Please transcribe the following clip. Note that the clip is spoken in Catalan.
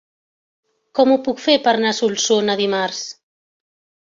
Com ho puc fer per anar a Solsona dimarts?